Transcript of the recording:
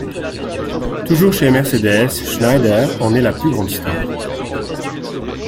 Toujours chez Mercedes, Schneider en est la plus grande star.